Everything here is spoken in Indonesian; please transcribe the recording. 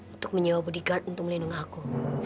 untuk menyewa bodyguard untuk melindungi aku